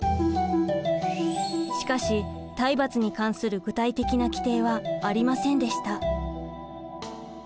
しかし体罰に関する具体的な規定はありませんでした。